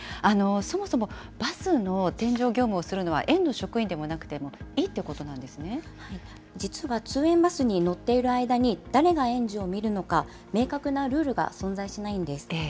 そもそもバスの添乗業務をするのは園の職員でなくてもいいってこ実は通園バスに乗っている間に、誰が園児を見るのか、明確なルールが存在しないんです。